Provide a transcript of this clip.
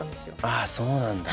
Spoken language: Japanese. あそうなんだ。